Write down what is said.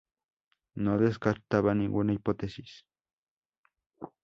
No descartaba ninguna hipótesis.